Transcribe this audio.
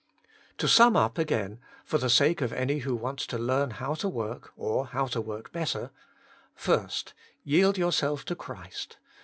To sum up again, for the sake of any who want to learn how to work, or how to work better : 1. Yield yourself to Christ.